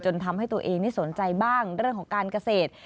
ทำให้ตัวเองนี่สนใจบ้างเรื่องของการเกษตร